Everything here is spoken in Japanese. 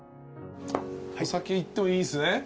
お酒いってもいいっすね？